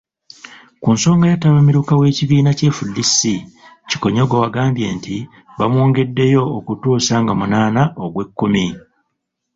Ku nsonga ya tabamiruka w'ekibiina kya FDC, Kikonyogo agambye nti bamwongeddeyo okutuusa nga munaana ogw'ekumi.